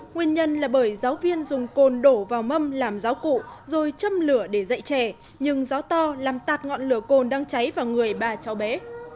nguyên nhân là bởi giáo viên dùng cồn đổ vào mâm làm giáo cụ rồi châm lửa để dạy trẻ nhưng gió to làm tạt ngọn lửa cồn đang cháy vào người ba cháu bé